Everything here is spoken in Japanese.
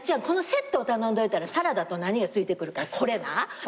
このセットを頼んどいたらサラダと何がついてくるからこれな。